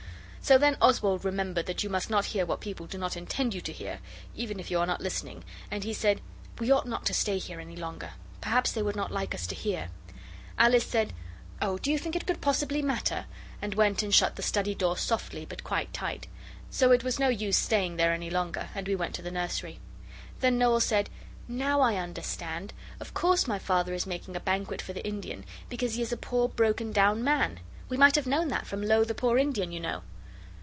So then Oswald remembered that you must not hear what people do not intend you to hear even if you are not listening and he said, 'We ought not to stay here any longer. Perhaps they would not like us to hear ' Alice said, 'Oh, do you think it could possibly matter?' and went and shut the study door softly but quite tight. So it was no use staying there any longer, and we went to the nursery. Then Noel said, 'Now I understand. Of course my Father is making a banquet for the Indian, because he is a poor, broken down man. We might have known that from "Lo, the poor Indian!" you know.